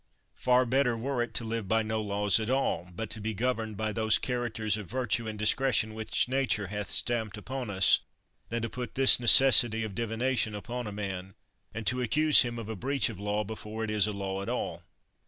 Far better were it to live by no laws at all, but to be gov erned by those characters of virtue and discre tion which nature hath stamped upon us, than to put this necessity of divination upon a man, and to accuse him of a breach of law before it is a law at all!